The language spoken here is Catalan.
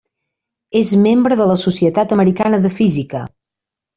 És membre de la Societat Americana de Física.